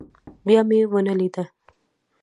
بيا مې ونه ليده.